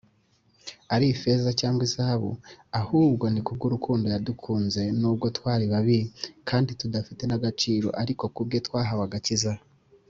ari ifeza cyangwa izahabu ahubwo nikubw’urukundo yadukunze nubwo twari babi kandi tudafite n’agaciro ariko kubwe twahawe agakiza.